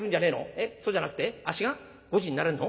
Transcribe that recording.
えっそうじゃなくてあっしがごちになれんの？